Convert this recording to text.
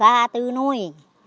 gà tư nuôi